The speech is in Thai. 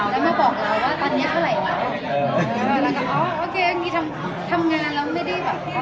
แล้วมาบอกเราว่าตอนนี้อะไรก็เอาแล้วก็อ๋ออันนี้ทำงานแล้วไม่ได้แบบ